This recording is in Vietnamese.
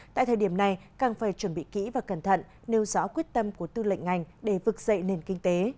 tại thời điểm này càng phải chuẩn bị kỹ và cẩn thận nêu rõ quyết tâm của tư lệnh ngành để vực dậy nền kinh tế